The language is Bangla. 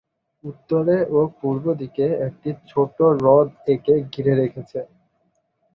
উত্তরে ও পূর্বদিকে একটি ছোট হ্রদ একে ঘিরে রেখেছে।